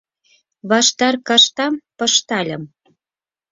Ваштар каштам пыштальым.